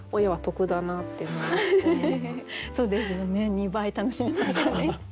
２倍楽しめますよね。